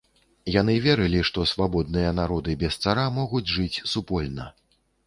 Яны верылі, што свабодныя народы без цара могуць жыць супольна.